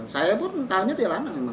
saya pun tahunya dia lana memang